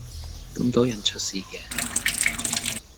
咁多人出事嘅?